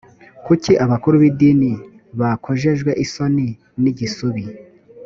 kuki abakuru b idini bakojejwe isoni n igisubi